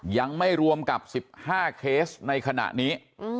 ยังไม่รวมกับ๑๕เคสในขณะนี้